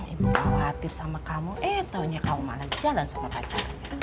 ibu khawatir sama kamu eh taunya kamu malah jalan sama pacar